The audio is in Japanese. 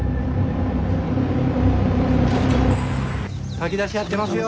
炊き出しやってますよ。